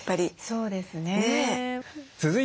そうですね。